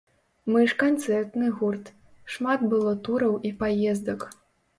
Мы ж канцэртны гурт, шмат было тураў і паездак.